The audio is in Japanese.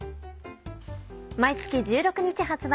毎月１６日発売